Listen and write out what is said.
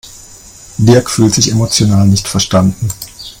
Dirk fühlt sich emotional nicht verstanden.